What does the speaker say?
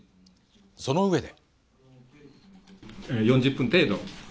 そのうえで。